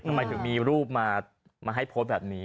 ทำไมถึงมีรูปมาให้โพสต์แบบนี้